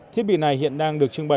thiết bị này hiện đang được trưng bày